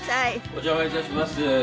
お邪魔いたします。